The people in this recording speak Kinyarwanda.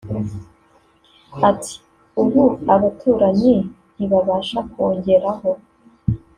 Ati “ Ubu abaturanyi ntibabasha kungeraho